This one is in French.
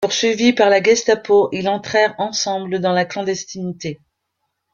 Poursuivis par la Gestapo, ils entrèrent ensemble dans la clandestinité.